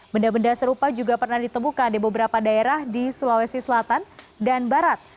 benda benda serupa juga pernah ditemukan di beberapa daerah di sulawesi selatan dan barat